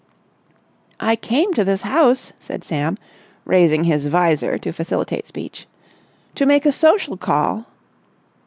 "I came to this house," said Sam, raising his vizor to facilitate speech, "to make a social call...."